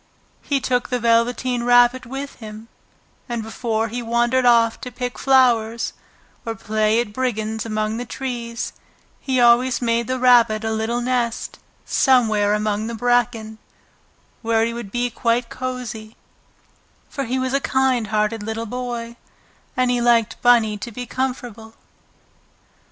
He took the Velveteen Rabbit with him, and before he wandered off to pick flowers, or play at brigands among the trees, he always made the Rabbit a little nest somewhere among the bracken, where he would be quite cosy, for he was a kind hearted little boy and he liked Bunny to be comfortable.